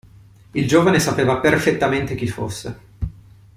Il giovane sapeva perfettamente chi fosse.